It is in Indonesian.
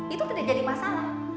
itu tidak jadi masalah